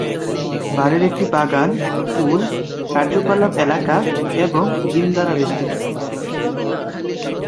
বাড়ির একটি বাগান, পুল, কার্যকলাপ এলাকা এবং জিম দ্বারা বেষ্টিত।